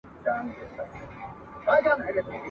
ته به سیوری د رقیب وهې په توره ..